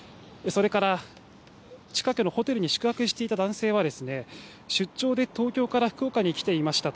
それから近くのホテルに宿泊していた男性は、出張で東京から福岡に来ていましたと。